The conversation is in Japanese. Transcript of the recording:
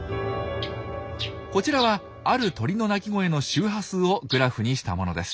こちらはある鳥の鳴き声の周波数をグラフにしたものです。